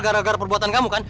gara gara perbuatan kamu kan